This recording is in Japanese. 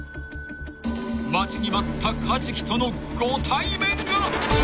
［待ちに待ったカジキとのご対面が］